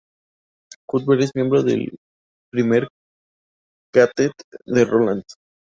Cuthbert es miembro del primer ka-tet de Roland.